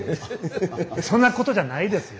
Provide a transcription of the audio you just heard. そんなことじゃないですよ。